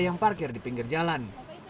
yang parkir di pinggir jalan